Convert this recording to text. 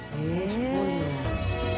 「すごいな！」